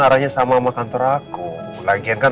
habis ini udah lakenhara mau telpon ke ether